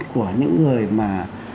của những người mà